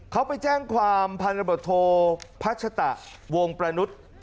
เขาไปแจ้งความพันธบทโทพัชตะวงประนุษย์